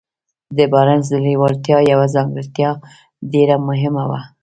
د بارنس د لېوالتیا يوه ځانګړتيا ډېره مهمه وه.